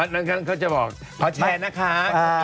นั้นเค้าจะบอกขอแชร์นะค้า